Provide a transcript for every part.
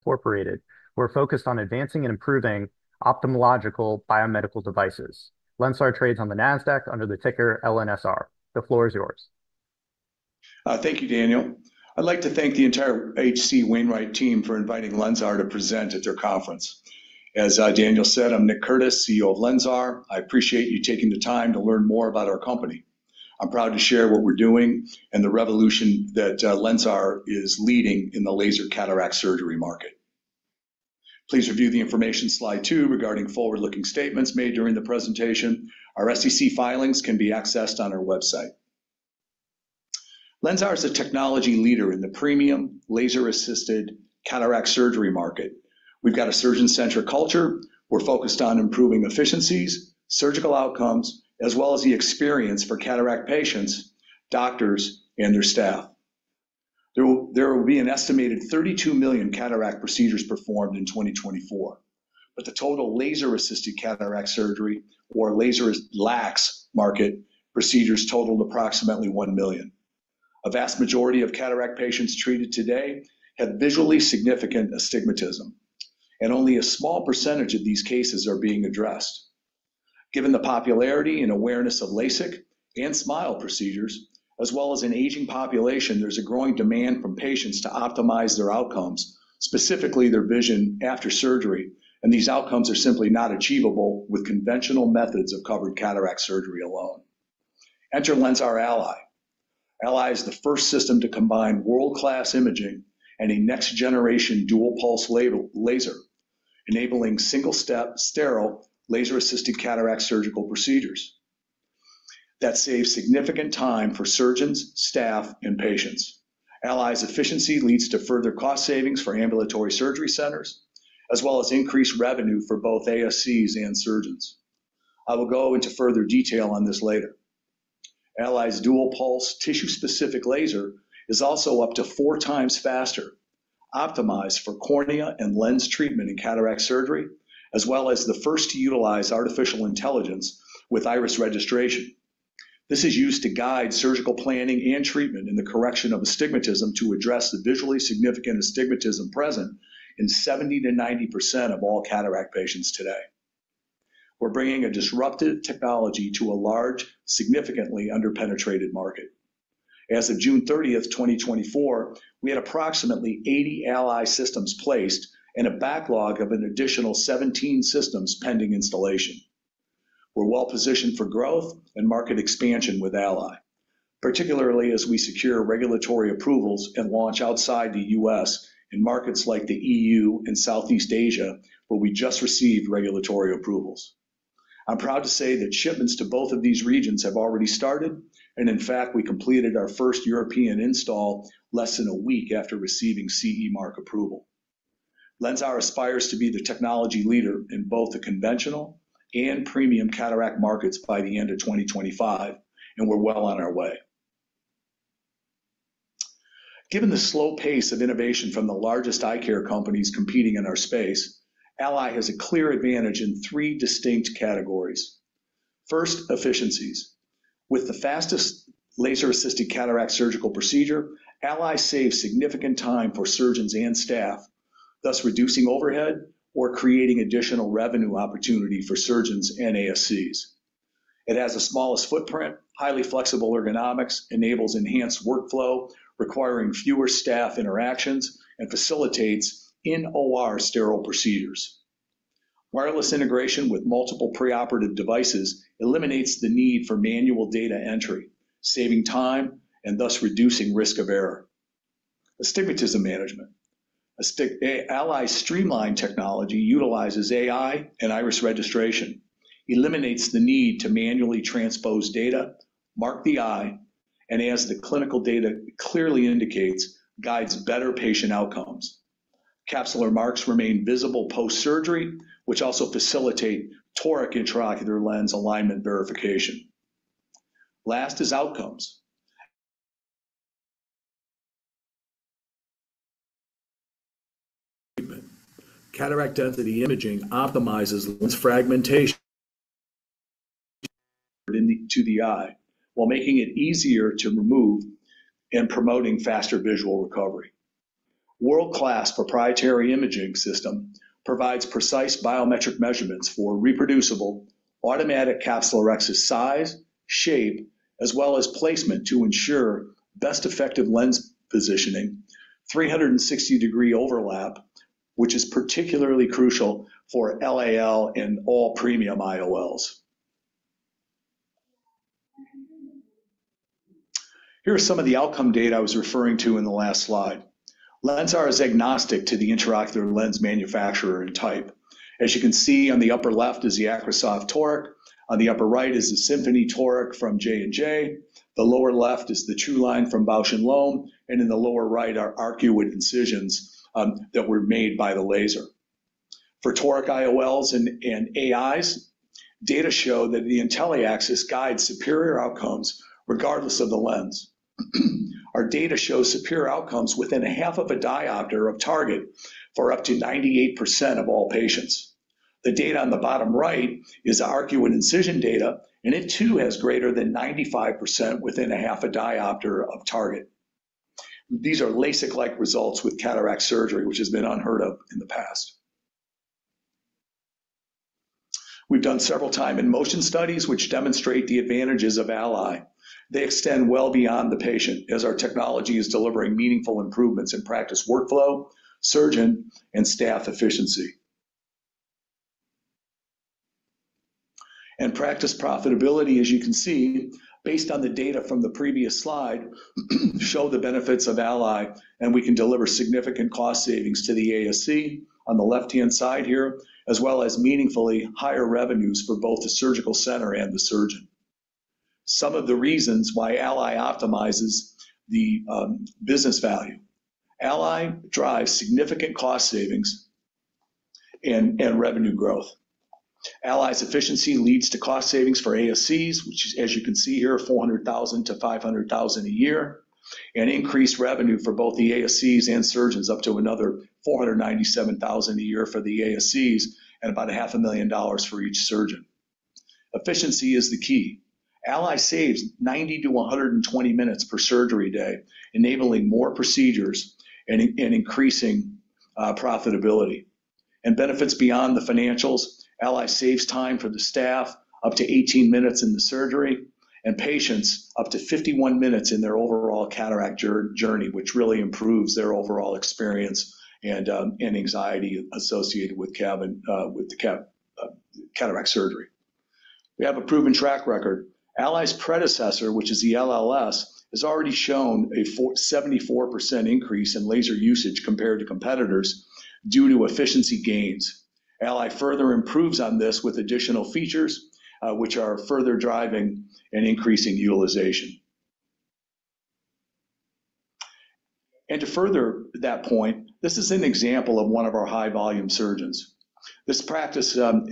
Incorporated. We're focused on advancing and improving ophthalmological biomedical devices. LENSAR trades on the Nasdaq under the ticker LNSR. The floor is yours. Thank you, Daniel. I'd like to thank the entire H.C. Wainwright team for inviting LENSAR to present at their conference. As Daniel said, I'm Nick Curtis, CEO of LENSAR. I appreciate you taking the time to learn more about our company. I'm proud to share what we're doing and the revolution that LENSAR is leading in the laser cataract surgery market. Please review the information slide two regarding forward-looking statements made during the presentation. Our SEC filings can be accessed on our website. LENSAR is a technology leader in the premium laser-assisted cataract surgery market. We've got a surgeon-centric culture. We're focused on improving efficiencies, surgical outcomes, as well as the experience for cataract patients, doctors, and their staff. There will be an estimated 32 million cataract procedures performed in 2024, but the total laser-assisted cataract surgery or laser LACS market procedures totaled approximately 1 million. A vast majority of cataract patients treated today have visually significant astigmatism, and only a small percentage of these cases are being addressed. Given the popularity and awareness of LASIK and SMILE procedures, as well as an aging population, there's a growing demand from patients to optimize their outcomes, specifically their vision after surgery, and these outcomes are simply not achievable with conventional methods of covered cataract surgery alone. Enter LENSAR ALLY. ALLY is the first system to combine world-class imaging and a next-generation dual-pulse laser, enabling single-step, sterile, laser-assisted cataract surgical procedures. That saves significant time for surgeons, staff, and patients. ALLY's efficiency leads to further cost savings for ambulatory surgery centers, as well as increased revenue for both ASCs and surgeons. I will go into further detail on this later. ALLY's dual pulse tissue-specific laser is also up to 4x faster, optimized for cornea and lens treatment in cataract surgery, as well as the first to utilize artificial intelligence with iris registration. This is used to guide surgical planning and treatment in the correction of astigmatism to address the visually significant astigmatism present in 70%-90% of all cataract patients today. We're bringing a disruptive technology to a large, significantly under-penetrated market. As of June 30th, 2024, we had approximately 80 ALLY systems placed and a backlog of an additional 17 systems pending installation. We're well-positioned for growth and market expansion with ALLY, particularly as we secure regulatory approvals and launch outside the U.S. in markets like the EU and Southeast Asia, where we just received regulatory approvals. I'm proud to say that shipments to both of these regions have already started, and in fact, we completed our first European install less than a week after receiving CE mark approval. LENSAR aspires to be the technology leader in both the conventional and premium cataract markets by the end of 2025, and we're well on our way. Given the slow pace of innovation from the largest eye care companies competing in our space, ALLY has a clear advantage in three distinct categories. First, efficiencies. With the fastest laser-assisted cataract surgical procedure, ALLY saves significant time for surgeons and staff, thus reducing overhead or creating additional revenue opportunity for surgeons and ASCs. It has the smallest footprint, highly flexible ergonomics, enables enhanced workflow, requiring fewer staff interactions, and facilitates in OR sterile procedures. Wireless integration with multiple preoperative devices eliminates the need for manual data entry, saving time and thus reducing risk of error. Astigmatism management. ALLY Streamline technology utilizes AI and iris registration, eliminates the need to manually transpose data, mark the eye, and as the clinical data clearly indicates, guides better patient outcomes. Capsular marks remain visible post-surgery, which also facilitate Toric intraocular lens alignment verification. Last is outcomes. Cataract Density Imaging optimizes lens fragmentation into the eye, while making it easier to remove and promoting faster visual recovery. World-class proprietary imaging system provides precise biometric measurements for reproducible, automatic capsulorrhexis size, shape, as well as placement to ensure best effective lens positioning, 360-degree overlap, which is particularly crucial for LAL and all premium IOLs. Here are some of the outcome data I was referring to in the last slide. LENSAR is agnostic to the intraocular lens manufacturer and type. As you can see, on the upper left is the AcrySof Toric, on the upper right is the Symfony Toric from J&J, the lower left is the Trulign from Bausch + Lomb, and in the lower right are arcuate incisions that were made by the laser. For Toric IOLs and AIs, data show that the IntelliAxis guides superior outcomes regardless of the lens. Our data shows superior outcomes within a half of a diopter of target for up to 98% of all patients. The data on the bottom right is arcuate incision data, and it too has greater than 95% within a half a diopter of target. These are LASIK-like results with cataract surgery, which has been unheard of in the past. We've done several time and motion studies, which demonstrate the advantages of ALLY. They extend well beyond the patient, as our technology is delivering meaningful improvements in practice workflow, surgeon, and staff efficiency. Practice profitability, as you can see, based on the data from the previous slide, show the benefits of ALLY, and we can deliver significant cost savings to the ASC on the left-hand side here, as well as meaningfully higher revenues for both the surgical center and the surgeon. Some of the reasons why ALLY optimizes the business value. ALLY drives significant cost savings and revenue growth. ALLY's efficiency leads to cost savings for ASCs, which is, as you can see here, $400,000-$500,000 a year, and increased revenue for both the ASCs and surgeons, up to another $497,000 a year for the ASCs and about $500,000 for each surgeon. Efficiency is the key. ALLY saves 90-120 minutes per surgery day, enabling more procedures and increasing profitability. Benefits beyond the financials, ALLY saves time for the staff, up to 18 minutes in the surgery, and patients, up to 51 minutes in their overall cataract journey, which really improves their overall experience and anxiety associated with the cataract surgery. We have a proven track record. ALLY's predecessor, which is the LLS, has already shown a 74% increase in laser usage compared to competitors due to efficiency gains. ALLY further improves on this with additional features, which are further driving and increasing utilization. And to further that point, this is an example of one of our high-volume surgeons. This practice. What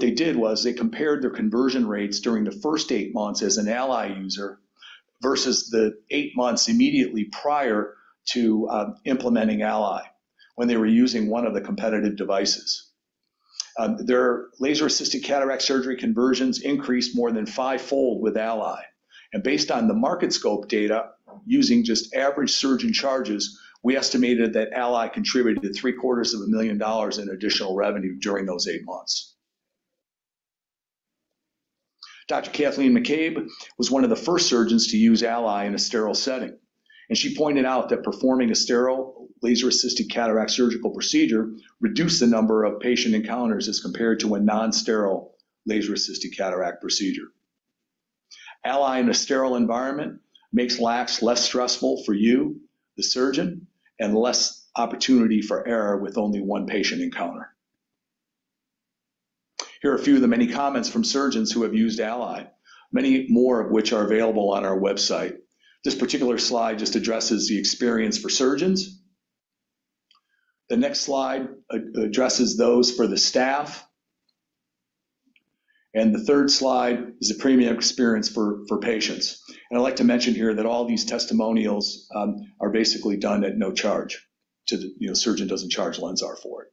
they did was they compared their conversion rates during the first eight months as an ALLY user versus the eight months immediately prior to implementing ALLY, when they were using one of the competitive devices. Their laser-assisted cataract surgery conversions increased more than fivefold with ALLY. And based on the Market Scope data, using just average surgeon charges, we estimated that ALLY contributed to $750,000 in additional revenue during those eight months. Dr. Cathleen McCabe was one of the first surgeons to use ALLY in a sterile setting, and she pointed out that performing a sterile laser-assisted cataract surgical procedure reduced the number of patient encounters as compared to a non-sterile laser-assisted cataract procedure. ALLY in a sterile environment makes LACS less stressful for you, the surgeon, and less opportunity for error with only one patient encounter. Here are a few of the many comments from surgeons who have used ALLY, many more of which are available on our website. This particular slide just addresses the experience for surgeons. The next slide addresses those for the staff, and the third slide is a premium experience for patients, and I'd like to mention here that all these testimonials are basically done at no charge to the surgeon. You know, surgeon doesn't charge LENSAR for it.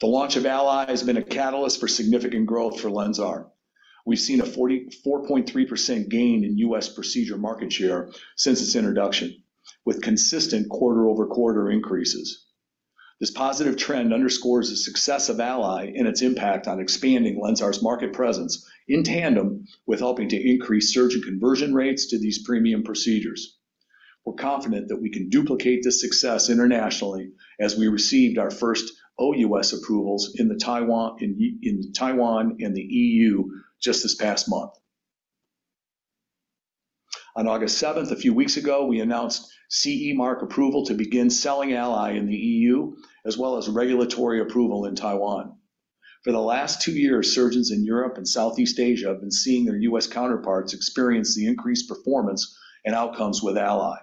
The launch of ALLY has been a catalyst for significant growth for LENSAR. We've seen a 44.3% gain in U.S. procedure market share since its introduction, with consistent quarter-over-quarter increases. This positive trend underscores the success of ALLY and its impact on expanding LENSAR's market presence, in tandem with helping to increase surgeon conversion rates to these premium procedures. We're confident that we can duplicate this success internationally as we received our first OUS approvals in Taiwan and the EU just this past month. On August 7th, a few weeks ago, we announced CE mark approval to begin selling ALLY in the EU, as well as regulatory approval in Taiwan. For the last two years, surgeons in Europe and Southeast Asia have been seeing their U.S. counterparts experience the increased performance and outcomes with ALLY.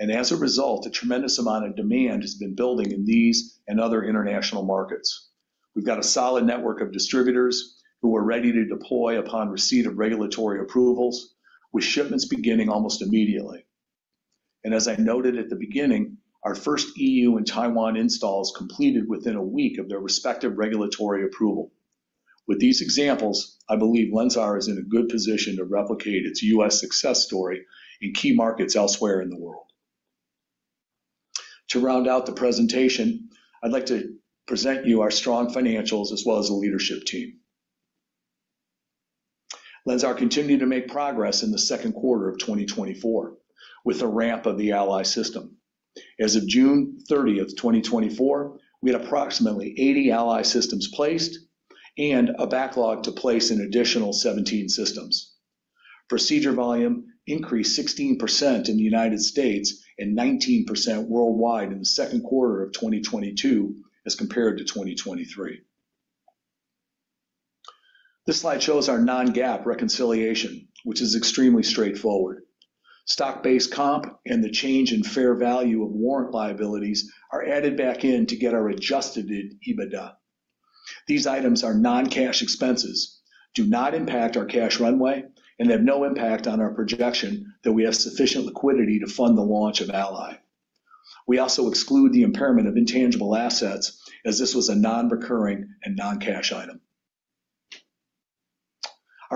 As a result, a tremendous amount of demand has been building in these and other international markets. We've got a solid network of distributors who are ready to deploy upon receipt of regulatory approvals, with shipments beginning almost immediately. And as I noted at the beginning, our first EU and Taiwan installs completed within a week of their respective regulatory approval. With these examples, I believe LENSAR is in a good position to replicate its U.S. success story in key markets elsewhere in the world. To round out the presentation, I'd like to present you our strong financials as well as the leadership team. LENSAR continued to make progress in the second quarter of twenty twenty-four, with a ramp of the ALLY system. As of June 30th, 2024, we had approximately 80 ALLY systems placed and a backlog to place an additional 17 systems. Procedure volume increased 16% in the United States and 19% worldwide in the second quarter of 2022 as compared to 2023. This slide shows our non-GAAP reconciliation, which is extremely straightforward. Stock-based comp and the change in fair value of warrant liabilities are added back in to get our adjusted EBITDA. These items are non-cash expenses, do not impact our cash runway, and have no impact on our projection that we have sufficient liquidity to fund the launch of ALLY. We also exclude the impairment of intangible assets, as this was a non-recurring and non-cash item.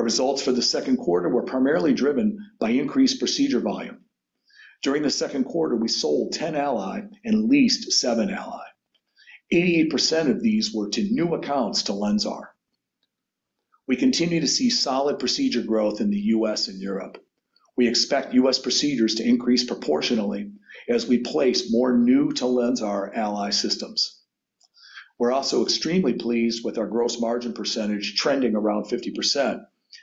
Our results for the second quarter were primarily driven by increased procedure volume. During the second quarter, we sold 10 ALLY and leased seven ALLY. 88% of these were to new accounts to LENSAR. We continue to see solid procedure growth in the U.S. and Europe. We expect U.S. procedures to increase proportionally as we place more new to LENSAR ALLY systems. We're also extremely pleased with our gross margin percentage trending around 50%.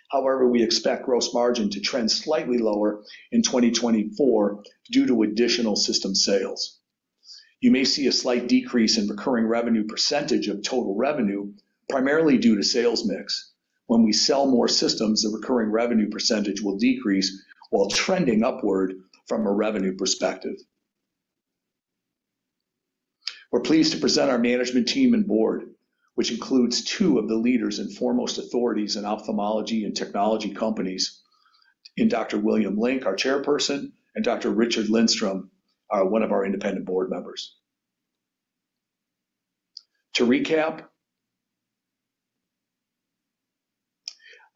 However, we expect gross margin to trend slightly lower in 2024 due to additional system sales. You may see a slight decrease in recurring revenue percentage of total revenue, primarily due to sales mix. When we sell more systems, the recurring revenue percentage will decrease while trending upward from a revenue perspective. We're pleased to present our management team and board, which includes two of the leaders and foremost authorities in ophthalmology and technology companies in Dr. William Link, our Chairperson, and Dr. Richard Lindstrom, one of our independent board members. To recap,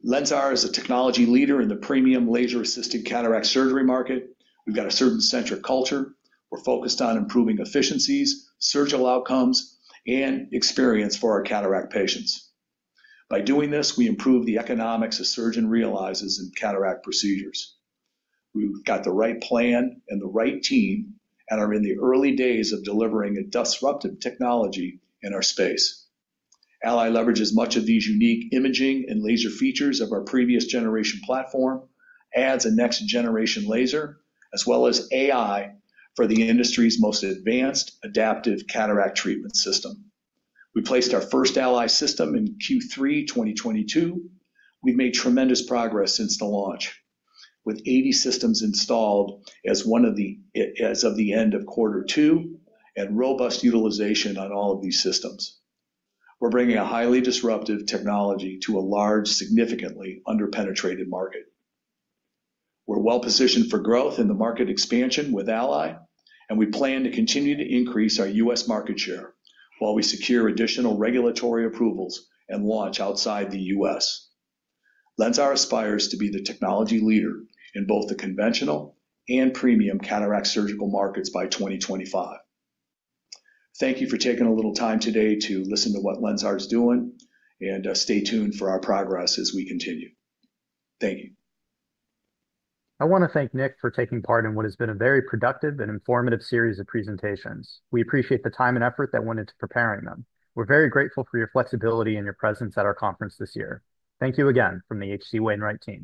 LENSAR is a technology leader in the premium laser-assisted cataract surgery market. We've got a customer-centric culture. We're focused on improving efficiencies, surgical outcomes, and experience for our cataract patients. By doing this, we improve the economics a surgeon realizes in cataract procedures. We've got the right plan and the right team, and are in the early days of delivering a disruptive technology in our space. ALLY leverages much of these unique imaging and laser features of our previous generation platform, adds a next-generation laser, as well as AI for the industry's most advanced adaptive cataract treatment system. We placed our first ALLY system in Q3, 2022. We've made tremendous progress since the launch, with 80 systems installed as of the end of quarter two, and robust utilization on all of these systems. We're bringing a highly disruptive technology to a large, significantly under-penetrated market. We're well-positioned for growth in the market expansion with ALLY, and we plan to continue to increase our U.S. market share while we secure additional regulatory approvals and launch outside the U.S. LENSAR aspires to be the technology leader in both the conventional and premium cataract surgical markets by 2025. Thank you for taking a little time today to listen to what LENSAR is doing, and, stay tuned for our progress as we continue. Thank you. I want to thank Nick for taking part in what has been a very productive and informative series of presentations. We appreciate the time and effort that went into preparing them. We're very grateful for your flexibility and your presence at our conference this year. Thank you again from the H.C. Wainwright team.